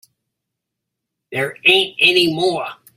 There ain't any more.